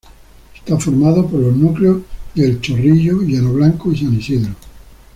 Está formado por los núcleos de El Chorrillo, Llano Blanco y San Isidro.